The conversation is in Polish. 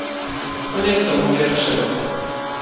"koniec tomu pierwszego."